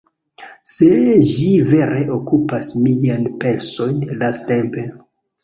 Sed ĝi vere okupas miajn pensojn lastatempe